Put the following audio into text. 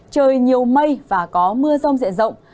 trời nhiều mây và có mưa rông dễ rộng